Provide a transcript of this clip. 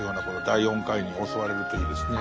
第４回に教われるといいですね。